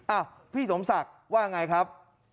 อ้าวพี่สมศักดิ์ว่าอย่างไรครับ